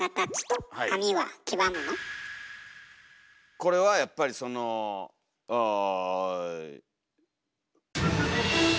これはやっぱりそのおぅ。